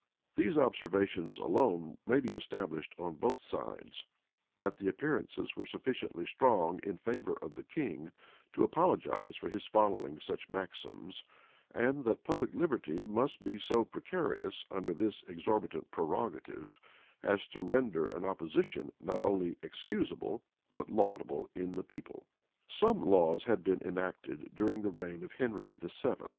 These observations alone may be established on both sides, that the appearances were sufficiently strong in favor of the king to apologize for his following such maxims; and that public liberty must be so precarious under this exorbitant prerogative, as to render an opposition not only excusable, but laudable in the people.[*] Some laws had been enacted, during the reign of Henry VII.